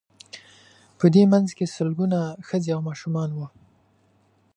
په دې منځ کې سلګونه ښځې او ماشومان وو.